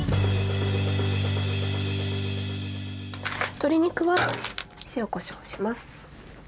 鶏肉は塩・こしょうします。